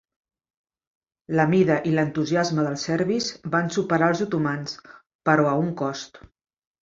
La mida i l'entusiasme dels serbis van superar els otomans, però a un cost.